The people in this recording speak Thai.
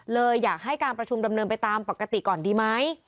เลยอยากให้การประชุมดำเนินไปตามปกติก่อนดีไหม